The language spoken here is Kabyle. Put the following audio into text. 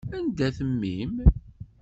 Anda-t mmi-m?